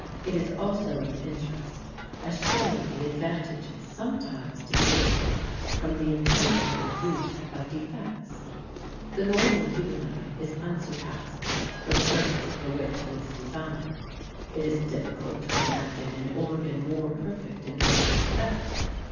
It is also of interest as showing the advantages sometimes to be gained from the intentional use of defects. The normal human eye is unsurpassed for the purpose for which it is designed; it is difficult to imagine an organ more perfect in this respect.